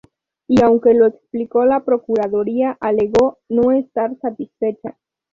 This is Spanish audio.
Y aunque lo explicó la procuraduría alegó no estar satisfecha.